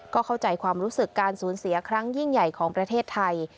ก็เข้าใจความรู้สึกการสูญเสียครั้งยิ่งใหญ่ของประเทศไทย